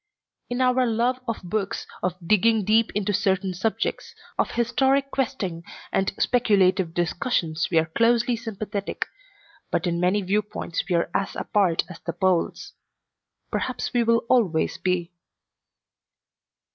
In our love of books, of digging deep into certain subjects, of historic questing and speculative discussions we are closely sympathetic, but in many viewpoints we are as apart as the poles. Perhaps we will always be.